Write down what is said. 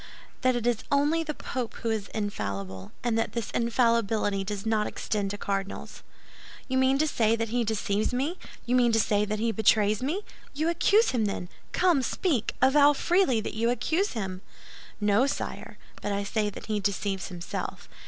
"That it is only the Pope who is infallible, and that this infallibility does not extend to cardinals." "You mean to say that he deceives me; you mean to say that he betrays me? You accuse him, then? Come, speak; avow freely that you accuse him!" "No, sire, but I say that he deceives himself.